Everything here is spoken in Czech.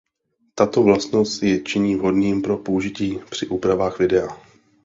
Tato vlastnost jej činí vhodným pro použití při úpravách videa.